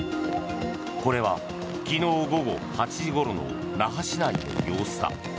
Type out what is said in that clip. これは昨日午後８時ごろの那覇市内の様子だ。